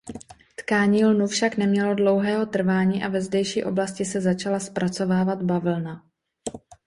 Tkaní lnu však nemělo dlouhého trvání a ve zdejší oblasti se začala zpracovávat bavlna.